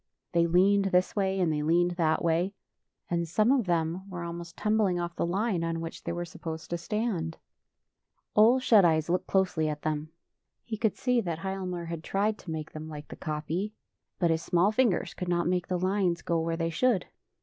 They leaned this way, and they leaned that way; and some of them were almost tum bling off the line on which they were sup posed to stand. [ 34 ] OLE SHUT EYES Ole Shut Eyes looked closely at them. He could see that Hialmar had tried to make them like the copy, but his small fingers could not make the lines go where they should.